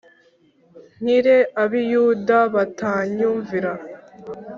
Nkire Ab I Yudaya Batanyumvira